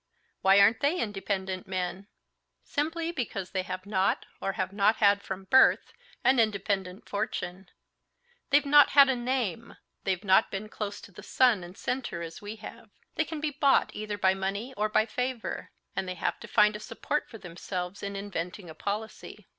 "Why aren't they independent men?" "Simply because they have not, or have not had from birth, an independent fortune; they've not had a name, they've not been close to the sun and center as we have. They can be bought either by money or by favor. And they have to find a support for themselves in inventing a policy.